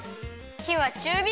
ひはちゅうび！